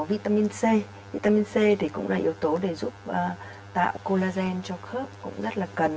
vitamin c vitamin c thì cũng là yếu tố để giúp tạo colagen cho khớp cũng rất là cần